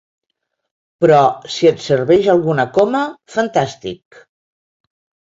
Però si et serveix alguna coma, fantàstic.